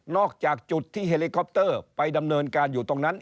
จากจุดที่เฮลิคอปเตอร์ไปดำเนินการอยู่ตรงนั้น